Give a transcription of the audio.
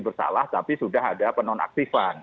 bersalah tapi sudah ada penonaktifan